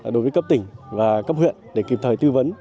đối với cấp tỉnh và cấp huyện để kịp thời tư vấn